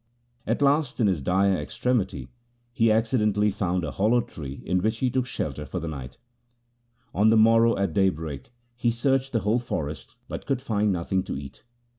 At last in his dire extremity he accidentally found a hollow tree in which he took shelter for the night. On the morrow at daybreak he searched the whole 94 THE SIKH RELIGION forest, but could find nothing to eat.